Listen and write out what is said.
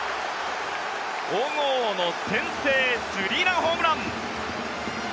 小郷の先制スリーランホームラン！